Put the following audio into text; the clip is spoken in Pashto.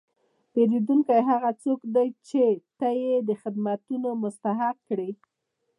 پیرودونکی هغه څوک دی چې ته یې د خدمتو مستحق کړې.